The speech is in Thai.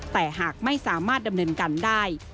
แต่หากไม่สามารถดำเนินการได้